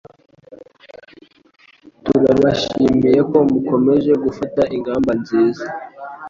Turabashimiye ko mukomeje gufata ingamba nziza